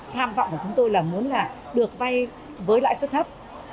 tham vọng của chúng tôi là muốn là được vay với lãi suất thấp